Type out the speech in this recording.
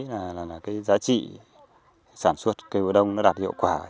là cái giá trị sản xuất cây lúa đông nó đạt hiệu quả